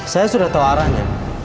saya sudah tahu arahnya